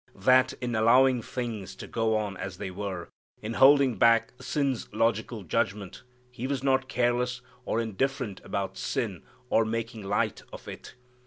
That in allowing things to go on as they were, in holding back sin's logical judgment, He was not careless or indifferent about sin or making light of it.